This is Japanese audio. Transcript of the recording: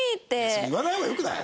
それ言わない方がよくない？